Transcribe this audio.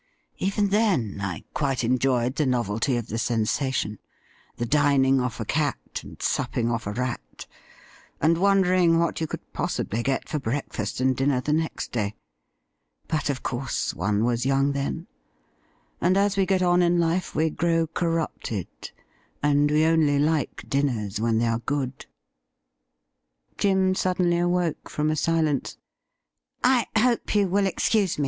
Even then I quite enjoyed the novelty of the sensation — the dining off a cat and supping off a rat, and wondering what you could possibly get for breakfast and dinner the next day. But, of course, one was young then, and as we get on in life we grow corrupted, and we only like dinners when they are good.' Jim suddenly awoke from a silence. ' I hope you will excuse me.